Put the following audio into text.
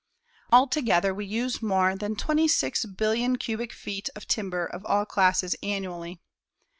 Altogether, we use more than 26,000,000,000 cubic feet of timber of all classes annually.